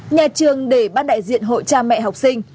nhà trường để ban đại diện hội cha mẹ học sinh